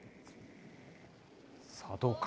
さあ、どうか。